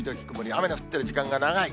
雨が降ってる時間が長い。